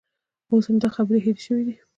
اوس همدا خبرې هېرې شوې دي.